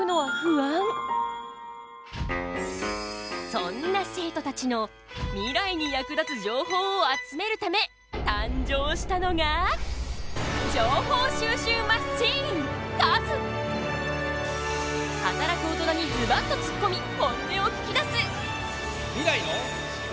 そんな生徒たちのミライに役立つ情報を集めるため誕生したのが働く大人にズバッとツッコミ本音を聞き出す！